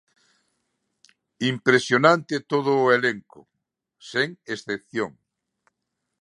Impresionante todo o elenco, sen excepción.